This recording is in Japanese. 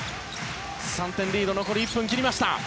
３点リード残り１分切りました。